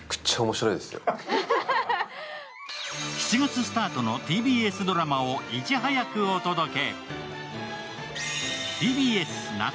７月スタートのＴＢＳドラマをいち早くお届け。